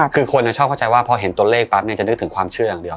คือคนชอบเข้าใจว่าพอเห็นตัวเลขปั๊บจะนึกถึงความเชื่ออย่างเดียว